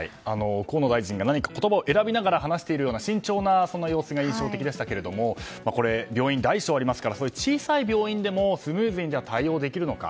河野大臣が何か言葉を選びながら話しているような慎重な様子が印象的でしたけども病院、大小ありますから小さい病院でもスムーズに対応できるのか。